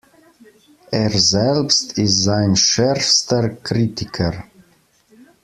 Er selbst ist sein schärfster Kritiker.